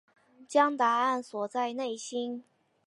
将答案锁在内心